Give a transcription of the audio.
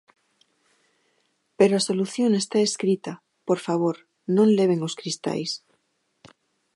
Pero a solución está escrita: Por favor, non leven os cristais.